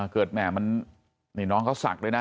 เกิดแหม่มันนี่น้องเขาสากเลยน่ะ